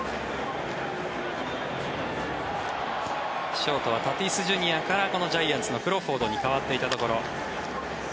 ショートはタティスＪｒ．からジャイアンツのクロフォードに代わっていたところ。